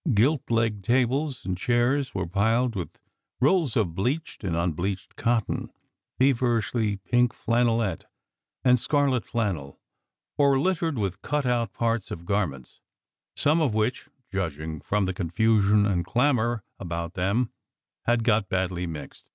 Gilt legged tables and chairs were piled with rolls of bleached and unbleached cotton, feverishly pink flannelette, and scarlet flannel; or littered with cut out parts of garments, some of which (judging from the confusion and clamour about them) had got badly mixed.